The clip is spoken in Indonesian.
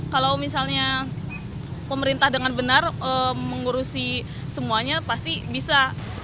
kalau misalnya pemerintah dengan benar mengurusi semuanya pasti bisa